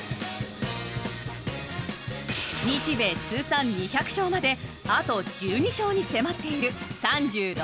日米通算２００勝まであと１２勝に迫っている３６歳。